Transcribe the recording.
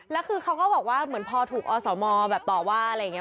แล้วคือเขาก็บอกว่าเหมือนพอถูกอสมแบบต่อว่าอะไรอย่างนี้